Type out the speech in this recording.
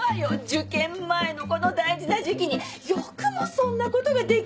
受験前のこの大事な時期によくもそんなことができるわね。